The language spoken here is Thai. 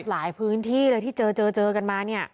หลายพื้นที่เลยที่เจอเจอกันมาเนี่ย